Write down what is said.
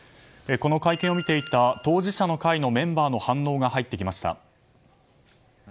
この会見を見ていた当事者の会のメンバーの反応が入ってきました。